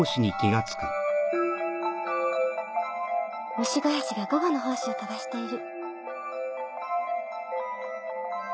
ムシゴヤシが午後の胞子を飛ばしている。